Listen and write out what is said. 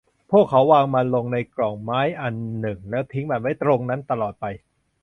พวกเขาวางมันลงในกล่องไม้อันหนึ่งแล้วทิ้งมันไว้ตรงนั้นตลอดไป